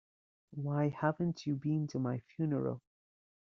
Why haven't you been to my funeral?